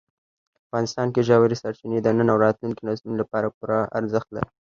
افغانستان کې ژورې سرچینې د نن او راتلونکي نسلونو لپاره پوره ارزښت لري.